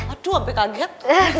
aduh sampe kaget